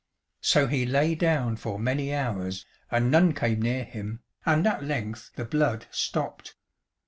So he lay down for many hours, and none came near him, and at length the blood stopped.